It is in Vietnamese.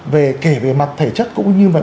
về kể về mặt thể chất cũng như vậy